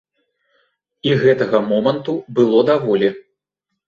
І гэтага моманту было даволі.